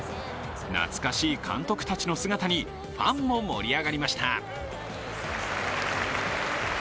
懐かしい監督たちの姿にファンも盛り上がりました。